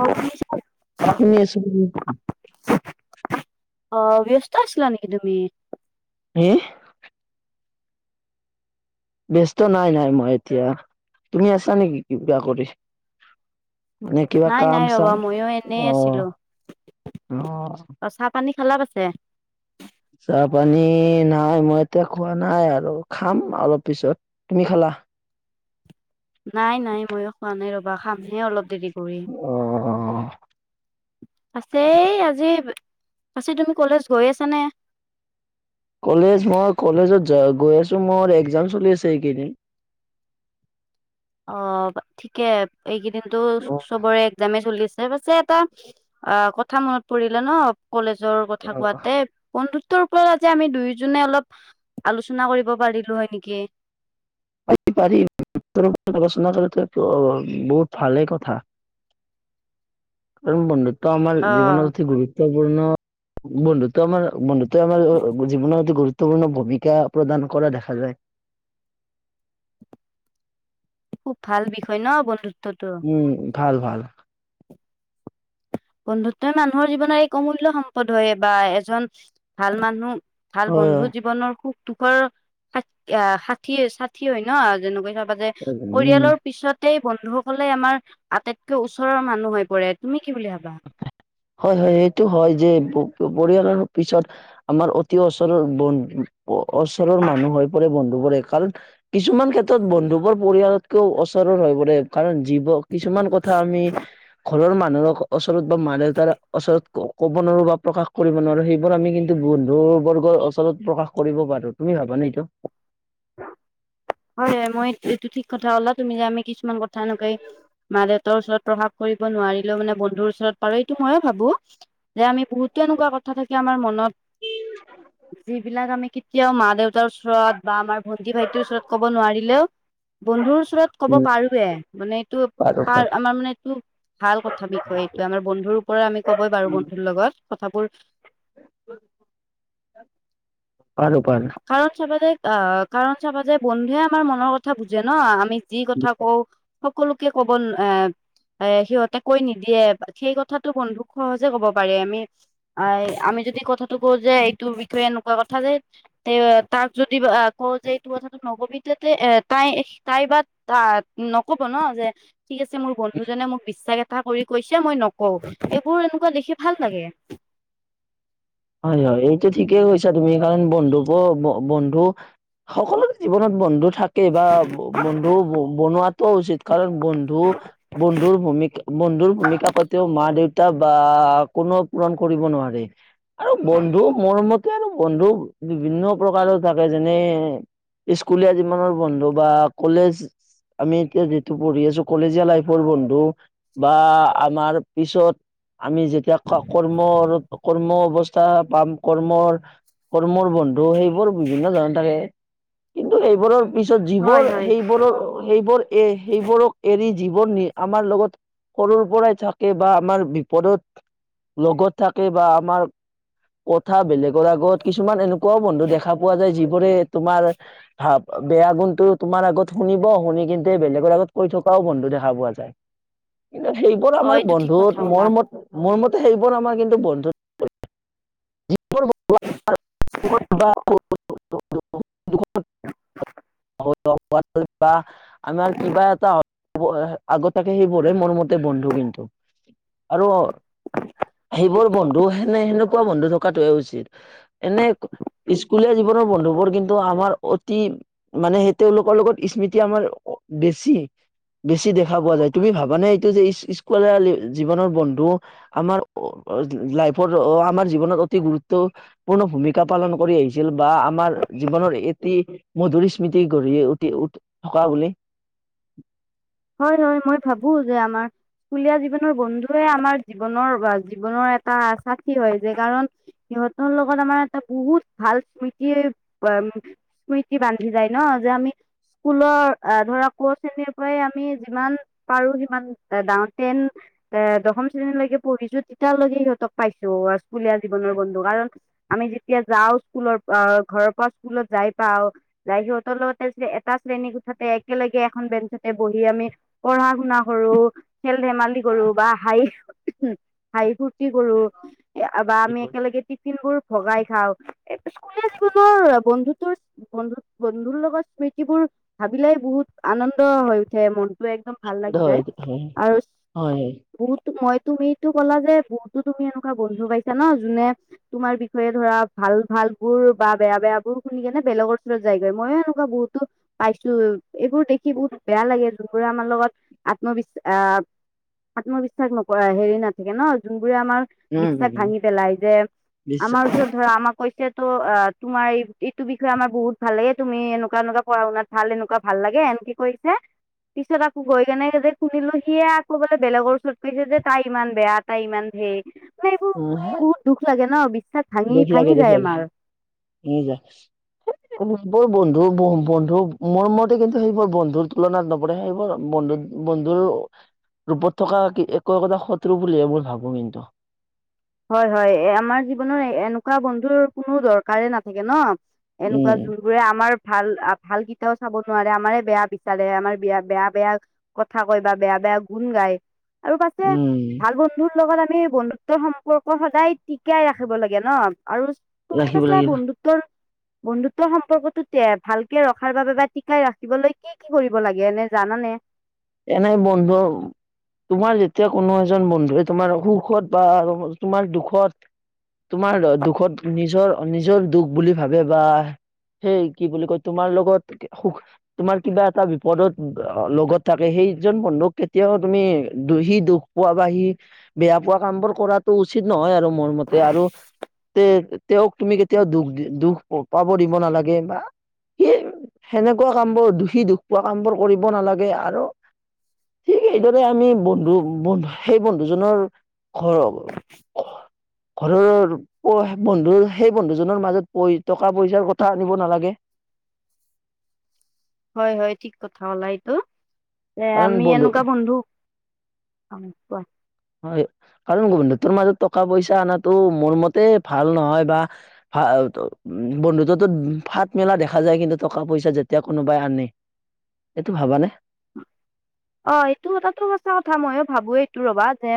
অ' [unintelligible] অ', ব্যস্ত আছিলা নেকি তুমি। হে ব্যস্ত নাই, নাই মই এতিয়া তুমি আছা নেকি কিবা কৰি। নে কিবা নাই কাম নাই ৰবা চাম ময়ো এনেই অ', অ'। ত চাহ পানী খালা পাছে। চাহ পানী নাই মই এতিয়া খোৱা নাই আৰু খাম অলপ পিছত। তুমি খালা। নাই নাই ময়ো খোৱা নাই ৰবা, খামহে অলপ দেৰি কৰি। অ আছে আজি, আজি তুমি কলেজ হৈ আছানে? কলেজ মই কলেজত য গৈ আছোঁ। মোৰ এক্সাম চলি আছে এইকেইদিন। অ', ঠিকে এইকেইদিনটো চবৰে এক্সাম চলিছে। ত পাছে এটা অ', কথা মনত পৰিলে ন কলেজৰ কথা কোৱাতে, বন্ধুত্বৰ ওপৰত আজি আমি দুয়োজনে অলপ আলোচনা কৰিব পাৰিলো হয় নেকি। পাৰি, পাৰি বন্ধুত্ব ওপৰত আলোচনা কৰাটো বহুত ভালে কথা। কাৰণ বন্ধুত্ব আমাৰ অ জীৱনৰত অতি গুৰুত্বপূৰ্ণ বন্ধুত্ব আমাৰ বন্ধুত্বৰ। আমাৰ জীৱনৰত অতি গুৰুত্বপূৰ্ণ ভূমিকা প্ৰদান কৰা দেখা যায়। খুব ভাল বিষয় ন বন্ধুত্বটো। উম' ভাল, ভাল। বন্ধুত্বই মানুহৰ জীৱনৰ এই অমূল্য সম্পদ হয় বা এজন ভাল মানুহ। ভাল হয় বন্ধু হয় জীৱনৰ সুখ দুখৰ ষাঠি, ষাঠি হয় ন যেনেকুৱা যে উম পৰিয়ালৰ পিছত গোটেই বন্ধু সকলে আমাৰ আটাইতকৈ ওচৰৰ মানুহ হৈ পৰে তুমি কি বুলি ভাবা। হয় সেইটো হয় পৰিয়ালৰ পিছত আমাৰ অতি ওচৰৰ বন্ধু ওচৰৰ মানুহ হৈ পৰে বন্ধু। কাৰণ কিছুমান ক্ষেত্ৰত বন্ধুবোৰ পৰিয়ালতকেও ওচৰ হৈ পৰে। কাৰণ জীৱ কিছুমান কথা আমি ঘৰৰ মানুহৰ ওচৰত বা মা দেউতাৰ ওচৰত ক'ব নোৱাৰো বা প্ৰকাশ কৰিব নোৱাৰোঁ। সেইবোৰ আমি কিন্তু বন্ধু বৰ্গৰ ওচৰত প্ৰকাশ কৰিব পাৰোঁ। তুমি ভাবানে এইটো। [inaudible] হয়, হয় মই এইটো ঠিক লা তুমি যে কিছুমান কথা এনেক মা দেউতৰ ওচৰত প্ৰভাৱ কৰিব নোৱাৰিলেও মানে বন্ধুৰ ওচৰত পাৰো এইটো ময়ো ভাবোঁ। যে আমি বহুতে এনেকুৱা কথা থাকি আমাৰ মনত যিবিলাক আমি কেতিয়াও মা দেউতাৰ ওচৰত বা আমাৰ ভন্টি ভাইটিৰ ওচৰত মাৰিলেও বন্ধুৰ ওচৰত কব উম পাৰোয়ে মানে এইটো পাৰো পাৰো। পাৰ আমাৰ মানে এইটো ভাল কথা বিষয়ে এইটো আমাৰ বন্ধুৰ ওপৰত আমি কবই পাৰো বন্ধুৰ লগত কথাবোৰ পাৰো, পাৰো। কাৰণ চাবা যায় অ', কাৰণ চাবা যায় বন্ধুৱে আমাৰ মনৰ কথা বুজে ন আমি যি কথা কওঁ সকলোকে ক'ব এ এ সিহঁতে কৈ নিদিয়ে সেই কথাতটো বন্ধুক সহজে কব পাৰে আমি আমি যদি কথাটো কওঁ যে এইটোৰ বিষয়ে এনেকুৱা কথা যে তে তাক যদি কও যে এটো কথা নকবি তাতে এ তাই-তাই বা আহ নকব ন যে ঠিক আছে মোৰ বন্ধুজনে মোক বিশ্বাস এটা কৰি কৈছে মই নকওঁ এইবোৰ এনেকুৱা দেখি ভাল লাগে। হয়-হয় এইটো ঠিকেই কৈছা তুমি কাৰণ বন্ধুক-বন্ধু সকলোৰ জীৱনত বন্ধু থাকে বা বন্ধু বনোৱাতটো উচিত, কাৰণ বন্ধু বন্ধুৰ ভূমিকা-বন্ধুৰ ভূমিকা কেতিও মা দেউতা বা কোনোও পূৰণ কৰিব নোৱাৰে আৰু বন্ধু মৰমত এতিয়া আৰু বন্ধু বিভিন্ন প্ৰকাৰৰ থাকে যেনে স্কুলীয়া জীৱনৰ বন্ধু বা কলেজ আমি এতিয়া যিটো পঢ়ি আছো কলেজীয়া লাইফৰ বন্ধু। বা আমাৰ পিছত আমি যেতিয়া কৰ্ম-কৰ্ম অৱস্থা পাম কৰ্মৰ-কৰ্মৰ বন্ধু সেইবোৰ বিভিন্ন ধৰণৰ থাকে। কিন্তু সেইবোৰৰ পিছত হয় যিবোৰ হয় সেইবোৰৰ-সেইবোৰ এ সেইবোৰক এৰি জীৱন নি আমাৰ লগত সৰুৰ পৰাই থাকে বা আমাৰ বিপদত লগত থাকে বা আমাৰ কথা বেলেগৰ আগত কিছুমান এনেকুৱাও বন্ধু দেখা পোৱা যায় যিবোৰে তোমাৰ ভাব বেয়া গুণটো তোমাৰ আগত শুনিব শুনি কিন্তু বেলেগৰ আগত কৈ থকাও বন্ধু দেখা পোৱা যায়। কিন্তু সেইবোৰ অ আমাৰ এইটো ঠিক কথা বন্ধুত কলা মোৰ মত মোৰ মতে সেইবোৰ আমাৰ কিন্তু বন্ধুত [unintelligible] [unintelligible] [inaudible] [unintelligible] আমাৰ কিবা এটা আগত থাকে সেইবোৰ হে মোৰ মতে বন্ধু কিন্তু। আৰু সেইবোৰ বন্ধু হেনে সেনেকুৱা বন্ধু থকাাতোৱে উচিত। এনে স্কুলীয়া জীৱনৰ বন্ধুবোৰ কিন্তু আমাৰ অতি মানে সেই তেওঁলোকৰ লগত স্মৃতি আমাৰ বেছি। বেছি দেখা পোৱা যায় তুমি ভাবানে এইটো যে স্কুল জীৱনৰ বন্ধু আমাৰ লাইফৰ আমাৰ জীৱনত অতি গুৰুত্ব পূৰ্ণ ভূমিকা পালন কৰি আহিছিল বা আমাৰ জীৱনৰ এটি মধুৰ স্মৃতি গঢ়ি উঠি উট থকা বুলি। হয়-হয় মই ভাবো যে আমাৰ স্কুলীয়া জীৱনৰ বন্ধুৱে আমাৰ জীৱনৰ জীৱনৰ এটা আচাকি হয় যে কাৰণ সিহঁতৰ লগত আমাৰ এটা বহুত ভাল স্মৃতি স্মৃতি বান্ধি যায় ন' যে স্কুলৰ ধৰা ক' শ্ৰেণীৰ পৰাই আমি আমি যিমান পাৰো সিমান ডাওঁতেন এ, দশম শ্ৰেণীলৈকে পঢ়িছো তেতিয়ালৈকে সিহঁতক পাইছো স্কুলীয়া জীৱনৰ বন্ধু কাৰণ আমি যেতিয়া যাওঁ স্কুলৰ প ঘৰৰ পৰা স্কুলত যাই পাও। লাইক সিহঁতৰ লগতে যেতিয়া এটা শ্ৰেণী উঠাতে একেলগে এখন বেঞ্চতে বহি আমি পঢ়া শুনা কৰো, খেল ধেমালি কৰো বা হাই হাহি ফূৰ্তি কৰো বা আমি একেলগে টিফিন বোৰ ভগাই খাও এ, স্কুলিয়া জীৱনৰ বন্ধুতৰ বন্ধু-বন্ধুৰ লগত স্মৃতিবোৰ ভাবিলেই বহুত আনন্দ হৈ উঠে মন তো একদম ভাল লাগি হয় যায় হয় আৰু হয় বহুতো মই তুমিতো ক'লা যে বহুতো তুমি এনেকুৱা বন্ধু পাইছা ন' যোনে তোমাৰ বিষয়ে ধৰা ভাল ভালবোৰ বা বেয়া বেয়াবোৰ শুনি কেনে বেলেগৰ ওচৰত যায়গৈ, ময়ো এনেকুৱা বহুতো পাইছোঁ, এইবোৰ দেখি বহুত বেয়া লাগে যোনবোৰে আমাৰ লগত আত্মবিশ্বা আ আত্মবিশ্বাস নকৰা হেৰি নাথাকে ন' যোনবোৰে আমাৰ উম বিশ্বাস উম ভাঙি পেলাই যে নিশ্চয় আমাৰ ওচৰত ধৰা আমাক কৈছে ত' আ, তোমাৰ এই এইটো বিষয়ে আমাৰ বহুত ভাল লাগে, তুমি এনেকুৱা এনেকুৱা পঢ়া শুনাত ভাল এনেকুৱা ভাল লাগে এনকে কৈ [unintelligible] পিছত আকৌ গৈ কেনে যে শুনিলোঁ সিয়ে আকৌ বোলে বেলেগৰ ওচৰত কৈছে যে তাই ইমান বেয়া তাই ইমান ঢেৰ, মানে এইবোৰ উম শুনি হে বহুত দুখ লাগে ন' বিশ্বাস ভাঙি ভাঙি যায় আমাৰ। ভাঙি যা। [inaudible] বোৰ বন্ধু ব-বন্ধু মোৰ মতে কিন্তু সেইবোৰ বন্ধুৰ তুলনাত নপৰে সেইবোৰ বন্ধুত বন্ধুৰ ৰূপত থকা একো একোটা শত্ৰু বুলহে মই ভাবোঁ কিন্তু। হয় হয় এ, আমাৰ জীৱনৰ এনেকুৱা বন্ধুৰ কোনো দৰকাৰে নাথাকে ন'। এনেকুৱা উম। যোন বোৰে আমাৰ ভাল, ভাল কেইটাও চাব নোৱাৰে, আমাৰে বেয়া বিচাৰে, আমাৰ বয়া-বেয়া বেয়া কথা কয় বা বেয়া বেয়া গুণ গায়। আৰু পাছে উম ভাল বন্ধুৰ লগত আমি বন্ধুত্বৰ সম সম্পৰ্ক সদায় টিকিয়াই ৰাখিব লাগে ন' আৰু তুমি ৰাখিব পাছে লাগিব বন্ধু ত্বৰ বন্ধুত্ব সম্পৰ্কটো তে ভালকে ৰখাৰ বাবে বা টিকাই ৰাখিবলৈকে কি কি কি কৰিব লাগে এনে জানানে? এনেই বন্ধু তোমাৰ যেতিয়া কোনো এজন বন্ধুৱে তোমাৰ সুখত বা তোমাৰ দুখত তোমাৰ দুখত নিজৰ নিজৰ দুখ বুলি ভাবে বা সেই কি বুলি কয় তোমাৰ লগত সুখ, তোমাৰ কিবা এটা বিপদত লগত থাকে সেইজন বন্ধুক কেতিয়াও তুমি সি দুখ পোৱা বা সি বেয়া পোৱা কামবোৰ কৰাটো উচিত নহয় আৰু মোৰ মতে আৰু তে তেওঁক তুমি কেতিয়াও দুখ দুখ পাব দিব নালাগে বা সি সেনেকুৱা কামবোৰ, দুষি দুখ পোৱা কামবোৰ কৰিব নালাগে আৰু ঠিক সেইদৰে আমি বন্ধু বন্ধু সেই বন্ধুজনৰ ঘৰৰ [inaudible] ঘৰৰৰ পই বন্ধু সেই বন্ধুজনৰ মাজত পই টকা পইচাৰ কথা আনিব নালাগে। হয় হয় ঠিক কথা ক'লা এইটো, এ, আমি এনেকুৱা বন্ধু [unintelligible] হয় কাৰণ বন্ধুত্বৰ মাজত টকা পইচা অনাটো মোৰ মতে ভাল নহয় বা ফা, বন্ধুত্বটোত ফাট মেলা দেখা যায় কিন্তু টকা পইচা যেতিয়া কোনোবাই আনে। এইটো ভাবানে? অ' এইটো কথাটো সচা কথা, ময়ো ভাবোঁ এইটো ৰ'বা যে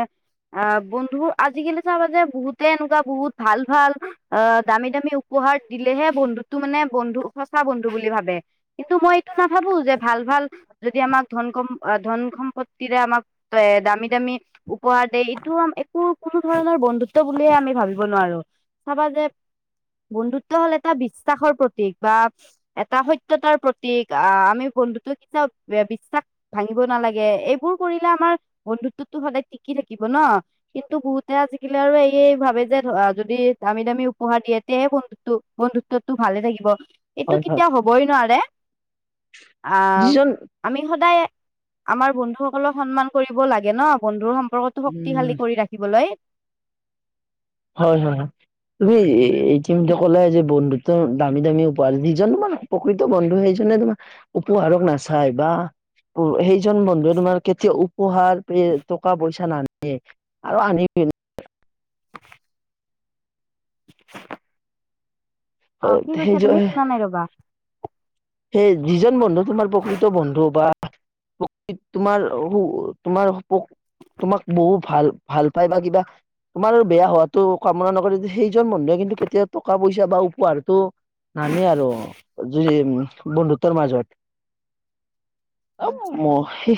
আ, বন্ধু আজিকালি চাবা যে বহুতে এনেকুৱা বহুত ভাল ভাল আ, দামী দামী উ পহাৰ দিলেহে বন্ধুত্বটো মানে বন্ধু সঁচা বন্ধু বুলি ভাবে। কিন্তু মই এইটো নাভাবোঁ যে ভাল ভাল যদি আমাক ধন সম অ' ধন সম্পত্তিৰে আমাক এ, দামী দামী উপহাৰ দে এইটো একো কোনো ধৰণৰ বন্ধুত্ব বুলিয়ে আমি ভাবিব নোৱাৰো। চাবা যে বন্ধুত্ব হ'ল এটা বিশ্বাসৰ প্ৰতীক বা এটা সত্যতাৰ প্ৰতীক আহ আমি বন্ধুতোক কেতিয়াও বি বিশ্বাস ভাঙিব নালাগে এইবোৰ কৰিলে আমাৰ বন্ধুত্বতো সদায় টিকি থাকিব ন। কিন্তু বহুতে আজিকালি আৰু এয়ে ভাবে যে ধৰা যদি দামী দামী উপহাৰ দিয়ে তেহে বন্ধু টো বন্ধুত্বটো ভালে থাকিব। হয় এইটো হয় কেতিয়াও হবই নোৱাৰে আহ যিজন আমি সদায় আমাৰ বন্ধুসকলক সন্মান কৰিব লাগে ন বন্ধুৰ সম্পৰ্কটো উম শক্তিশালী কৰি ৰাখিবলৈ। হয় হয় তুমি ইতিমধ্যে কলাই যে বন্ধু ত দামী দামী উপহাৰ যিজন মানে প্ৰকৃত বন্ধু সেইজনে তোমাৰ উপহাৰক নাচাই বা সেইজন বন্ধুৱে তোমাৰ কেতিয়াও উ উপহাৰটোৱে টকা পইচা নানিয়ে আৰু আনি [unintelligible] অ' কি সেই কৈছা তুমি শুনা নাই ৰ'বা। সেই যিজন বন্ধু তোমাৰ প্ৰকৃত বন্ধু বা প্ৰকৃত তোমাৰ হওঁ তোমাৰ হওক তোমাক বহু ভাল ভাল পায় বা কিবা। তোমাৰ বেয়া হোৱাটো কামনা নকৰে সেইজন বন্ধুৱে কিন্তু কেতিয়াও টকা পইচা বা উপহাৰটো নানে আৰু যদি বন্ধুত্বৰ মাজত এ ম সেই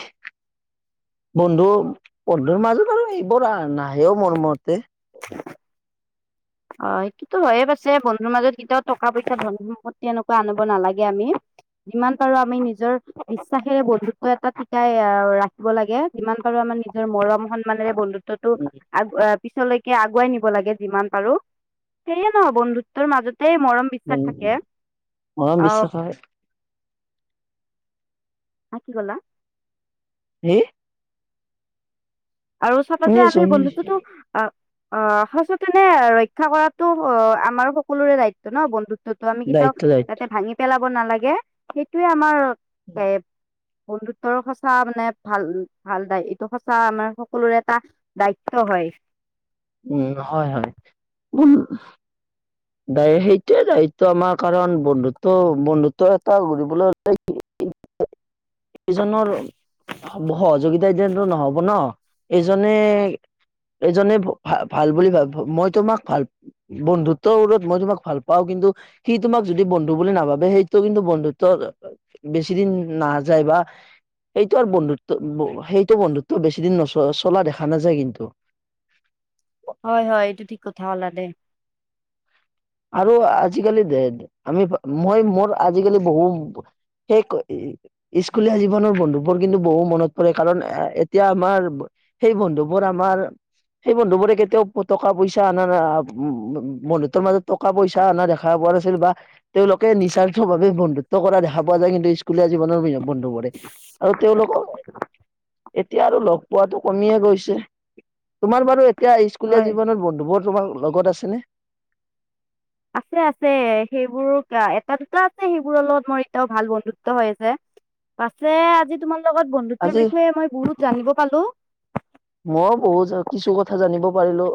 বন্ধু বন্ধুৰ মাজত আৰু এইবোৰ নাহেও মোৰ মতে। অ' কিন্তু হয় পিছে আছে বন্ধুৰ কেতিয়াও টকা পইচা ধন সম্পত্তি তেনেকুৱা আনিব নালাগে আমি। যিমান পাৰো আমি নিজৰ বিশ্বাসেৰে বন্ধুত্ব এটা টিকাই আ ৰাখিব লাগে। যিমান পাৰো আমাৰ নিজৰ মৰম সন্মানেৰে বন্ধু ত্বটো আগ আ পিছলৈকে আগুৱাই নিব লাগে যিমান পাৰো। সেয়ে ন বন্ধুত্বৰ মাজতে মৰম বিশ্বাস উম থাকে মৰম অ'। বিশ্বাস হে হা কি ক'লা সেই আৰু চাবা শুনি যে আছো আমি শুনি আছো বন্ধুত্বটো আ অ সচেতনে ৰক্ষা কৰাতো অ' আমাৰো সকলোৰে দায়িত্ব ন বন্ধু ত্বটো আমি কেতিয়াও দায়িত্ব দায়িত্ব যাতে ভাঙি পেলাব নালাগে সেইটোয়ে আমাৰ এ বন্ধুত্বৰ সঁচা মানে ভাল ভাল দাই এইটো সঁচা আমাৰ স সকলোৰে এটা দায়িত্ব হয়। উম হয় হয় উম দায় সেইটোয়ে দায়িত্ব আমাৰ কাৰণ বন্ধুত্ব- বন্ধুত্ব এটা গঢ়িবলৈ হলে [unintelligible] এজনৰ সব সহযোগিতা যিহেতু নহব ন। এজনে এজনে ভ ভা ভাল বুলি ভাব মই তোমাক ভাল বন্ধু ত্ব বোৰত মই তোমাক ভাল পাওঁ কিন্তু সি তোমাক যদি বন্ধু বুলি নাভাবে সেইটো কিন্তু বন্ধুত্বৰ বেছি দিন নাযায় বা সেইটো আৰু বন্ধুত্ব ব সেইটো বন্ধুত্ব বেছি দিন নচ চলা দেখা নাযায় কিন্তু। হয় হয় এইটো ঠিক কথা কলা দে আৰু আজিকালি দে আমি মই মোৰ আজিকালি বহু সেই ক ই স্কুলীয়া জীৱনৰ বন্ধুবোৰ কিন্তু বহু মনত পৰে কাৰণ এ এতিয়া আমাৰ ব সেই বন্ধুবোৰ আমাৰ সেই বন্ধু বোৰে কেতিয়াও টকা পইচা অনা নাই উ বন্ধুত্বৰ মাজত টকা-পইচা অনা দেখা পোৱা নাছিল বা তেওঁলোকে নিস্বাৰ্থ ভাৱে বন্ধুত্ব কৰা দেখা পোৱা যায় কিন্তু স্কুলীয়া জীৱনৰ বন্ধু বোৰে। আৰু তেওঁলোক এতিয়া আৰু ল'গ পোৱাটো কমিয়ে গৈছে তোমাৰ বাৰু এতিয়া স্কুলীয়া হয়। জীৱনত বন্ধুবোৰ তোমাৰ লগত আছেনে? আছে আছে সেইবোৰ এটা দুটা আছে সেইবোৰৰ লগত মোৰ এতিয়াও ভাল বন্ধুত্ব হৈ আছে। পাছে আজি তোমাৰ লগত বন্ধুত্বৰ আজি বিষয়ে মই বহুত জানিব পালো। মই বহুত কিছু কথা জানিব পাৰিলো।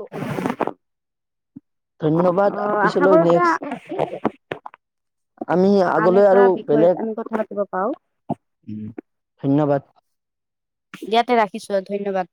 ধন্যবাদ অ আশা পিছলৈ কৰোতে নেক্সট আমি আন আগলৈ এটা আৰু বিষয়ত বেলেগ আমি কথা পাতিব পাৰো। ধন্যবাদ। ইয়াতে ৰাখিছো আৰু ধন্যবাদ।